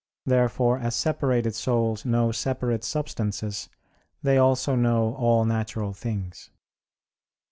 Therefore, as separated souls know separate substances, they also know all natural things.